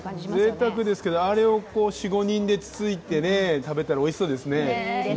ぜいたくですけど、あれを４５人でつついて食べたらおいしそうですね。